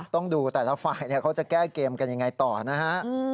ต้องดูแต่ละฝ่ายเขาจะแก้เกมกันยังไงต่อนะฮะ